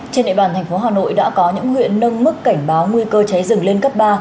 trên địa bàn thành phố hà nội đã có những huyện nâng mức cảnh báo nguy cơ cháy rừng lên cấp ba